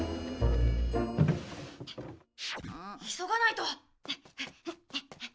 急がないと。